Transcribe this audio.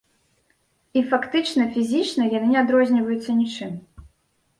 І, фактычна, фізічна яны не адрозніваюцца нічым.